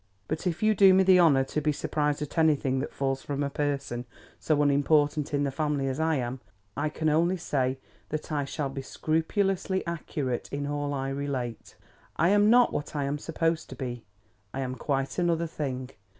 But, if you do me the honour to be surprised at anything that falls from a person so unimportant in the family as I am, I can only say that I shall be scrupulously accurate in all I relate. I am not what I am supposed to be. I am quite another thing.